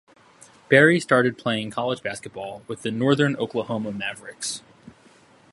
Barrie started playing college basketball with the Northern Oklahoma Mavericks.